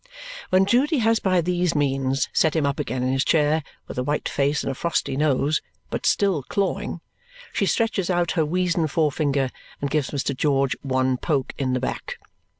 When Judy has by these means set him up again in his chair, with a white face and a frosty nose (but still clawing), she stretches out her weazen forefinger and gives Mr. George one poke in the back.